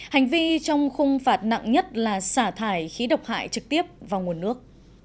hành vi trong khung phạt nặng nhất là xả thải khí độc hại trực tiếp vào nguồn nước